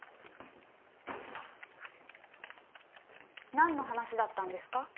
何の話だったんですか？